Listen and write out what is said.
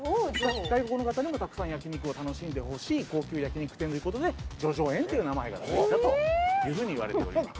外国の方にもたくさん焼き肉を楽しんでほしい高級焼き肉店ということで叙々苑っていう名前が付いたというふうにいわれております。